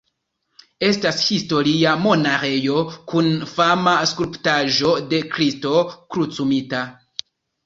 Estas historia monaĥejo kun fama skulptaĵo de Kristo Krucumita.